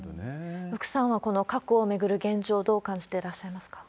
福さんは、この核を巡る状況、どう感じていらっしゃいますか？